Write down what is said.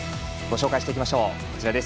ご紹介していきましょう。